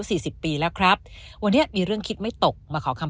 สิบปีแล้วครับวันนี้มีเรื่องคิดไม่ตกมาขอคำ